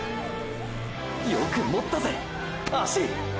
よくもったぜ脚！！